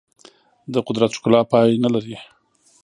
د قدرت ښکلا پای نه لري.